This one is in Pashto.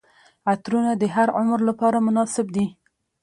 عطرونه د هر عمر لپاره مناسب دي.